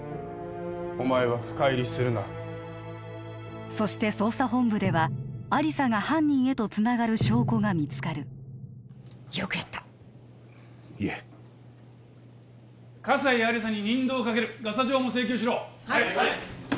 お前は深入りするなそして捜査本部では亜理紗が犯人へとつながる証拠が見つかるよくやったいえ葛西亜理紗に任同をかけるガサ状も請求しろはい！